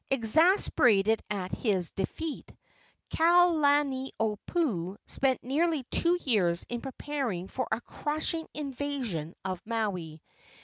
Exasperated at his defeat, Kalaniopuu spent nearly two years in preparing for a crushing invasion of Maui.